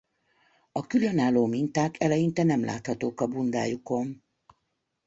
A különálló minták eleinte nem láthatók a bundájukon.